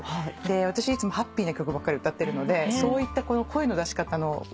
私いつもハッピーな曲ばっかり歌ってるのでそういった声の出し方の引き出しがなくて。